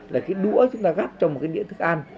là cái đũa chúng ta gáp trong một cái đĩa thức ăn